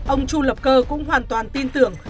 ông chu lập cơ cũng hoàn toàn tin tưởng